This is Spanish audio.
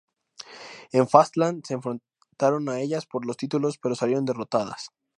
En Fastlane se enfrentaron a ellas por los titulos, pero salieron derrotadas.